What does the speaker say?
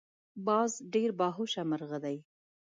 باز ډیر باهوشه مرغه دی